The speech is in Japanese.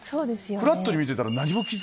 フラットに見てたら。